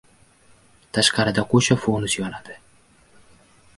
Tashqarida qo‘sha fonus yonadi.